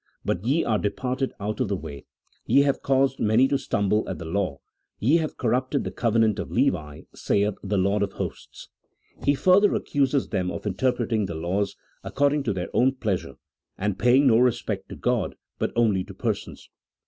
But ye are departed out of the way ; ye have caused many to stumble at the law, ye have corrupted the covenant of Levi, saith the Lord of liosts." He further accuses them of interpreting the laws according to their own pleasure, and paying no respect to God but only to persons.